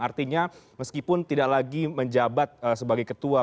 artinya meskipun tidak lagi menjabat sebagai ketua